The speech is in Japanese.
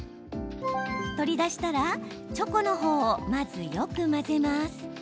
取り出したらチョコの方をまず、よく混ぜます。